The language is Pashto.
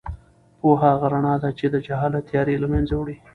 پوهه هغه رڼا ده چې د جهالت تیارې له منځه وړي.